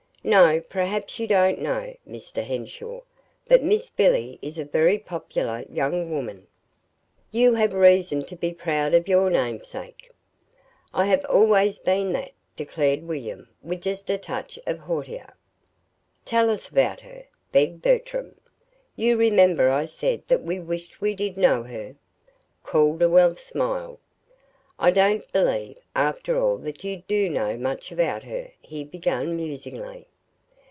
"No. Perhaps you don't know, Mr. Henshaw, but Miss Billy is a very popular young woman. You have reason to be proud of your namesake." "I have always been that," declared William, with just a touch of hauteur. "Tell us about her," begged Bertram. "You remember I said that we wished we did know her." Calderwell smiled. "I don't believe, after all, that you do know much about her," he began musingly.